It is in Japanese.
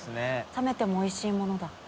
冷めてもおいしいものだ。